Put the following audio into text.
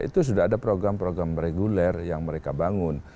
itu sudah ada program program reguler yang mereka bangun